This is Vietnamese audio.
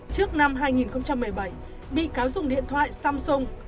trước năm hai nghìn một mươi bảy bị cáo dùng điện thoại samsung